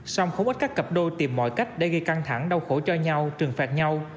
xong khủng ích các cặp đôi tìm mọi cách để gây căng thẳng đau khổ cho nhau trừng phạt nhau